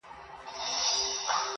پاس پر پالنگه اكثر_